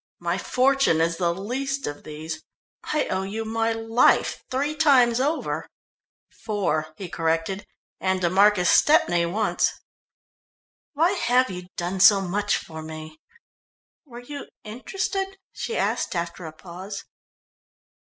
My fortune is the least of these. I owe you my life three times over." "Four," he corrected, "and to Marcus Stepney once." "Why have you done so much for me? Were you interested?" she asked after a pause.